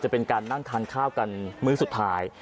เป็นการนั่งทานข้าวกันมื้อสุดท้าย